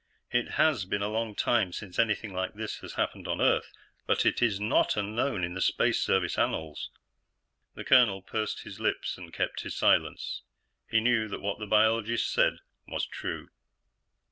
It has been a long time since anything like this has happened on Earth, but it is not unknown in the Space Service annals." The colonel pursed his lips and kept his silence. He knew that what the biologist said was true.